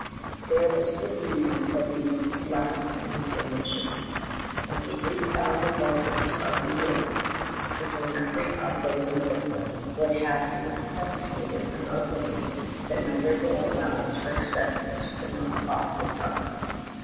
There was good reason for these last named omissions, as the eight thousand bar rooms of New York, to say nothing of those in Brooklyn, would have necessitated an outlay that my liberal allowance for expenses could not possibly cover.